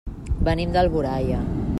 Venim d'Alboraia.